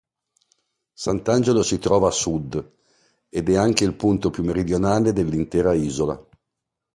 Sant'Angelo si trova a sud, ed è anche il punto più meridionale dell'intera isola.